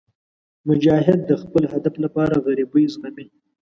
مجاهد د خپل هدف لپاره غریبۍ زغمي.